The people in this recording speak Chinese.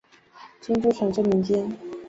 清初传至民间。